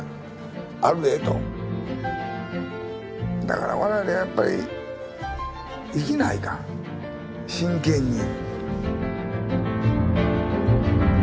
だから我々はやっぱり生きないかん真剣に。